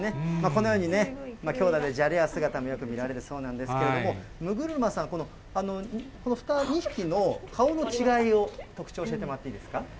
このようにね、きょうだいでじゃれ合う姿もよく見られるそうなんですけれども、六車さん、この２匹の顔の違いを、特徴を教えてもらっていいですか？